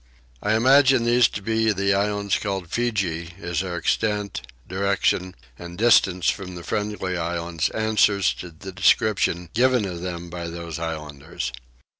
I imagine these to be the islands called Feejee as their extent, direction, and distance from the Friendly Islands answers to the description given of them by those Islanders.